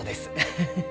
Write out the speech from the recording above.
フフフ。